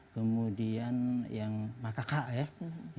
kemudian yang makakak ya